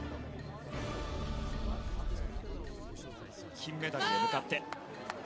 金メダルへ向かって。